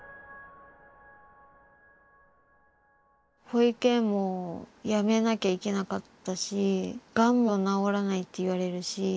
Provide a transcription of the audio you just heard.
保育園も辞めなきゃいけなかったしがんは治らないって言われるし。